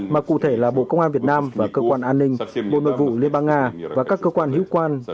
mà cụ thể là bộ công an việt nam và cơ quan an ninh bộ nội vụ liên bang nga và các cơ quan hữu quan